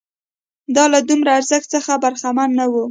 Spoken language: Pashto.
دا له دومره ارزښت څخه برخمن نه وو